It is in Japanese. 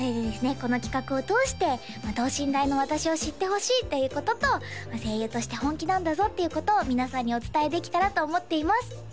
この企画を通して等身大の私を知ってほしいっていうことと声優として本気なんだぞっていうことを皆さんにお伝えできたらと思っています